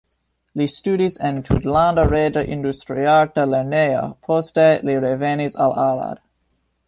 Li studis en Tutlanda Reĝa Industriarta Lernejo, poste li revenis al Arad.